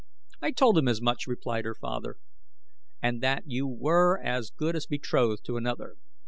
"I told him as much," replied her father, "and that you were as good as betrothed to another.